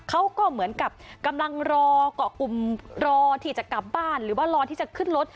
เขาก็เหมือนกับกำลังรอเกาะกลุ่มรอที่จะกลับบ้านหรือว่ารอที่จะขึ้นรถ